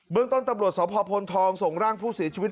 เรื่องต้นตำรวจสพพลทองส่งร่างผู้เสียชีวิต